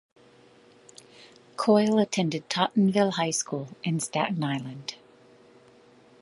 Coyle attended Tottenville High School in Staten Island.